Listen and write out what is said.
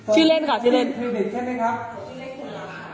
ชื่อเล่นค่ะ